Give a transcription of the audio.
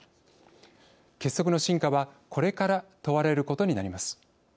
結束の真価はこれから問われることになります。